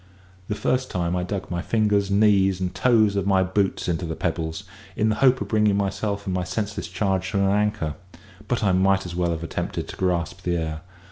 The first time I dug my fingers, knees, and the toes of my boots into the pebbles, in the hope of bringing myself and my senseless charge to an anchor; but I might as well have attempted to grasp the air.